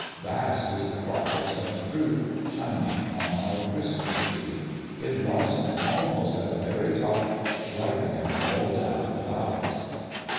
Vast is the crop of such fruit, shining on our Christmas Tree ; in blossom, almost at the very top ; ripening all down the boughs